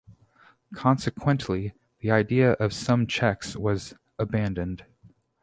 Consequently the idea of sum checks was abandoned.